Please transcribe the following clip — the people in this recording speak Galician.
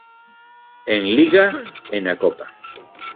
En Liga e na Copa.